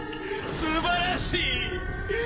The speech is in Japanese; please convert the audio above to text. すばらしい！